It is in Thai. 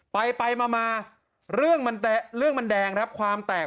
ไปไปมาเรื่องมันแดงครับความแตก